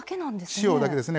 塩だけですね。